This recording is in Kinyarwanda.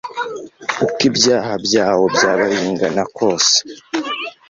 uko ibyaha byawo byaba bingana kose